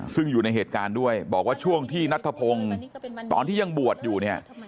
ซึ่งอยู่ในเหตุการณ์ด้วยบอกว่าช่วงที่นัทธพงศ์ตอนที่ยังบวชอยู่เนี่ย